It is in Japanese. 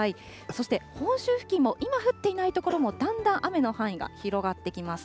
そして本州付近も、今降っていない所も、だんだん雨の範囲が広がってきます。